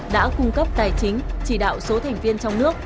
đã cung cấp tài chính chỉ đạo số thành viên trong nước